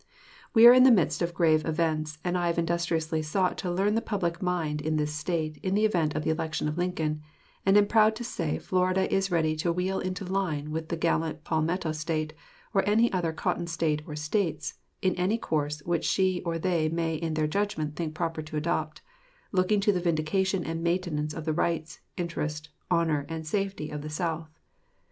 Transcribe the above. We are in the midst of grave events, and I have industriously sought to learn the public mind in this State in the event of the election of Lincoln, and am proud to say Florida is ready to wheel into line with the gallant Palmetto State, or any other Cotton State or States, in any course which she or they may in their judgment think proper to adopt, looking to the vindication and maintenance of the rights, interest, honor, and safety of the South.